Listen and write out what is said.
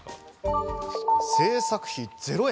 制作費０円。